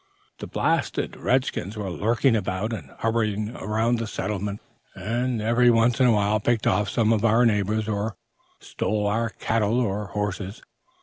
The blasted red skins were lurking about and hovering around the settlement, and every once in a while picked off some of our neighbors or stole our cattle or horses.